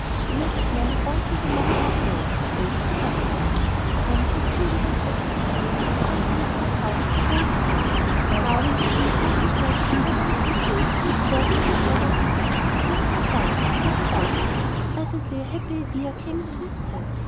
The next moment down fell the Monarch of Mo way to the bottom! Then Prince Zingle went back to the palace and began to milk the cow with the golden horns. Now when the King found himself at the bottom of the hole he at first did not know what to do; so he sat down and thought about it. Presently a happy idea came into his head.